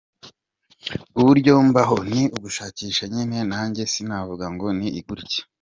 Uburyo mbaho ni ugushakisha nyine nanjye sinavuga ngo ni gutya.